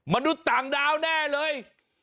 มนุษย์ต่างดาวแน่เลย